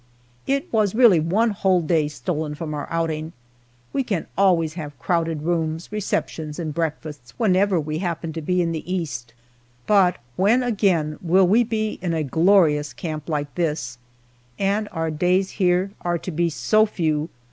It was really one whole day stolen from our outing! We can always have crowded rooms, receptions, and breakfasts, wherever we happen to be in the East, but when again will we be in a glorious camp like this and our days here are to be so few!